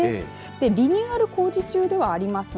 リニューアル工事中ではありますが。